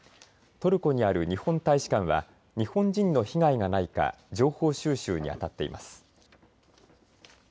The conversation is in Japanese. トルコにある日本大使館は日本人の被害がないか情報収集にあたっています。